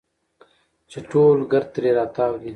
چې ټول ګرد ترې راتاو دي.